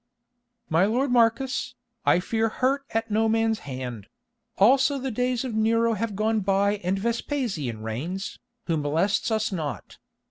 "My lord Marcus, I fear hurt at no man's hand; also the days of Nero have gone by and Vespasian reigns, who molests us not.